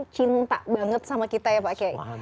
cinta banget sama kita ya pak kiai